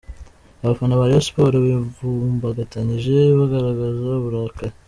Abafana ba Rayon Sports bivumbagatanyije bagaragaza uburakari.